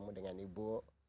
ketemu dengan ibu